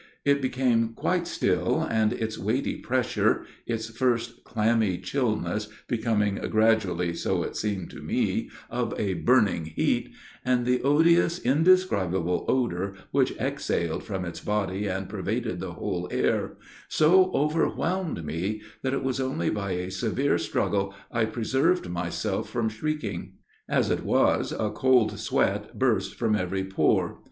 It became quite still, and its weighty pressure its first clammy chillness becoming gradually (so it seemed to me) of a burning heat and the odious, indescribable odor which exhaled from its body and pervaded the whole air so overwhelmed me, that it was only by a severe struggle I preserved myself from shrieking. As it was, a cold sweat burst from every pore.